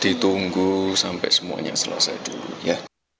ditunggu sampai semuanya selesai dulu ya